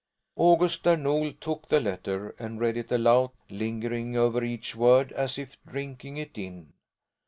August Där Nol took the letter and read it aloud, lingering over each word as if drinking it in.